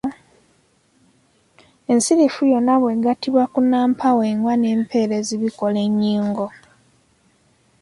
Ensirifu yonna bw’egattibwako nnampawengwa n’empeerezi bikola ennyingo.